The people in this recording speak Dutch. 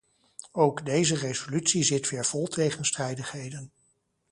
Ook deze resolutie zit weer vol tegenstrijdigheden.